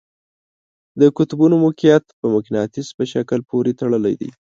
د قطبونو موقیعت په مقناطیس په شکل پورې تړلی دی.